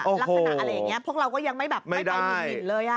ลักษณะอะไรอย่างนี้พวกเราก็ยังไม่ไปหยุ่นเลย